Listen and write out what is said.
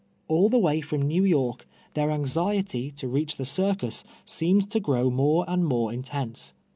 All the way from jSTew York, their anxiety to reach tlie circus seemed to grow more and more intense.